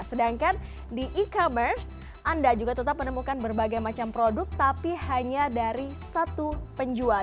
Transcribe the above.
sedangkan di e commerce anda juga tetap menemukan berbagai macam produk tapi hanya dari satu penjual